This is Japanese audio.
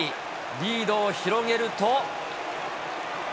リードを広げると。